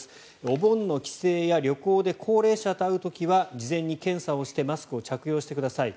お盆の帰省や旅行で高齢者と会う時は事前に検査をしてマスクを着用してください